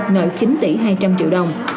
nợ chín tỷ hai trăm linh triệu đồng